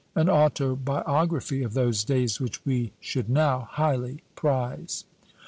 An autobiography of those days which we should now highly prize.